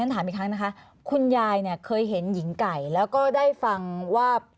ถามอีกครั้งนะคะคุณยายเนี่ยเคยเห็นหญิงไก่แล้วก็ได้ฟังว่า